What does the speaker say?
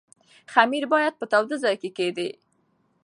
خمیر باید په تاوده ځای کې کېږدئ.